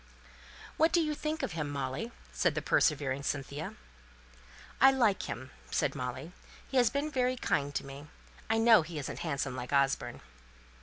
"What do you think of him, Molly?" said the persevering Cynthia. "I like him," said Molly. "He has been very kind to me. I know he isn't handsome like Osborne."